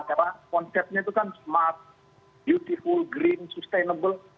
karena konsepnya itu kan smart beautiful green sustainable